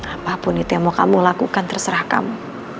apapun itu yang mau kamu lakukan terserah kamu